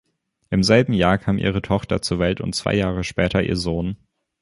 Im selben Jahr kam ihre Tochter zur Welt und zwei Jahre später ihr Sohn.